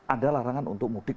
ada larangan untuk mudik